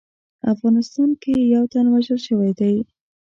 افغانستان کې یو تن وژل شوی دی